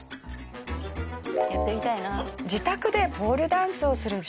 やってみたいな。